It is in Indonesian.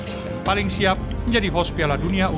yang paling siap menjadi host piala dunia u dua puluh